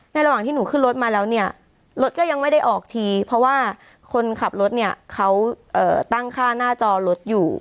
ระหว่างที่หนูขึ้นรถมาแล้วเนี่ยรถก็ยังไม่ได้ออกทีเพราะว่าคนขับรถเนี่ยเขาตั้งค่าหน้าจอรถอยู่